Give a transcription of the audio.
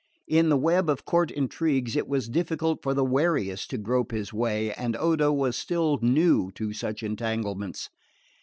In the web of court intrigues it was difficult for the wariest to grope his way; and Odo was still new to such entanglements.